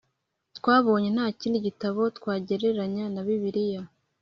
Twabonye ko nta kindi gitabo twagereranya na Bibiliya